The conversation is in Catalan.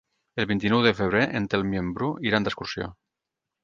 El vint-i-nou de febrer en Telm i en Bru iran d'excursió.